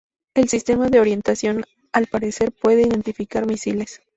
El sistema de orientación al parecer puede identificar misiles.